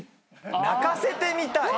泣かせてみたい！？